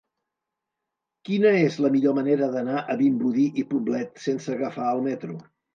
Quina és la millor manera d'anar a Vimbodí i Poblet sense agafar el metro?